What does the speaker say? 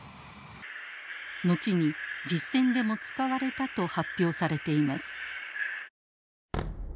後に実戦でも使われたと発表されています。